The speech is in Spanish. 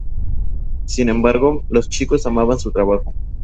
Sin embargo, los chicos amaban su trabajo".